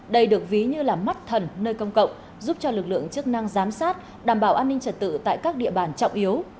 đây được ví như là mắt thần nơi công cộng giúp cho lực lượng chức năng giám sát đảm bảo an ninh trật tự tại các địa bàn trọng yếu